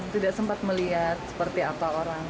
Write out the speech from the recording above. tidak sempat melihat seperti apa orang